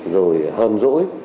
rồi hờn rỗi